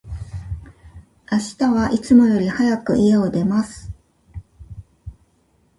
明日は、いつもより早く、家を出ます。